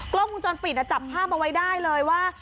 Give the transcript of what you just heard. กล้องมุมจนปิดอ่ะจับภาพมาไว้ได้เลยว่า